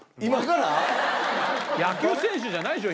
野球選手じゃないでしょ